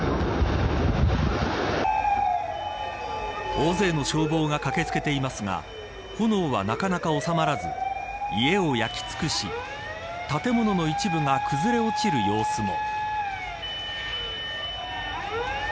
大勢の消防が駆け付けていますが炎は、なかなか収まらず家を焼き尽くし建物の一部が崩れ落ちる様子も。